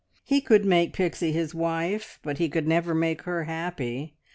He could make Pixie his wife, but he could never make her happy.